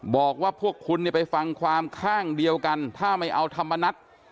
บอกว่าพวกคุณเนี่ยไปฟังความข้างเดียวกันถ้าไม่เอาธรรมนัฐ